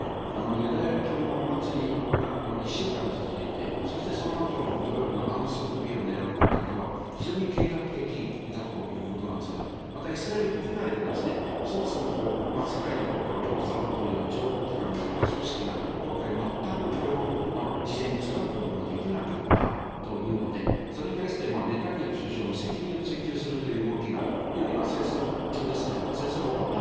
ユダヤ教のお祭りが１週間続いてそしてそのあとの土曜日の安息日を狙ったということは非常に計画的だということなんですがまたイスラエル国内ではそもそも世界に誇るモサドという諜報機関スパイ組織が今回全くこれを事前につかむことができなかったというのでそれに対してネタニヤフ首相の責任を追及するという動きが今、戦争中ですが戦争が終わった